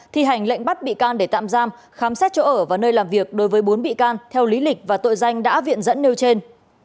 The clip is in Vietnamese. thi hành lệnh bắt bị can để tạm giam khám xét chỗ ở và nơi làm việc đối với bốn bị can theo lý lịch và tội danh đã viện dẫn nêu trên